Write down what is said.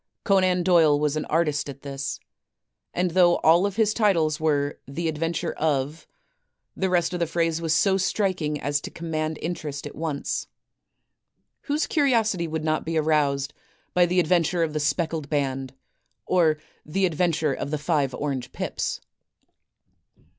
Conan Doyle was an artist at this, and though all of his titles were "The Adventure of —," the rest of the phrase was so striking as to command interest at once. Whose curiosity would not be aroused by "The Adventure of the Speckled Band," or "The Adventure of the Five Orange Pips"?